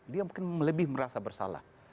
dia mungkin lebih merasa bersalah